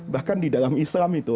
bahkan di dalam islam itu